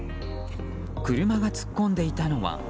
車が突っ込んでいたのは。